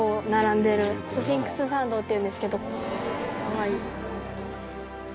スフィンクス参道っていうんですけど。